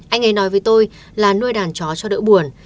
anh ấy nói với tôi là nuôi đàn chó cho đỡ buồn